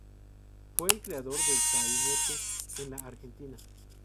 Fue el creador del sainete en la Argentina.